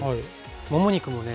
もも肉もね